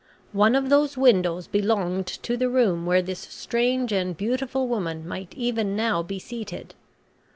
One of those windows belonged to the room where this strange and beautiful woman might even now be seated.